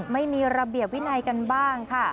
ไม่มีระเบียบวินัยกันบ้างค่ะ